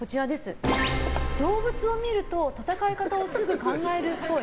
動物を見ると戦い方をすぐ考えるっぽい。